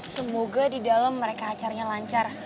semoga di dalam mereka acaranya lancar